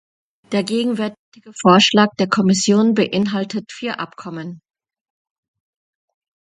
Der gegenwärtige Vorschlag der Kommission beinhaltet vier Abkommen.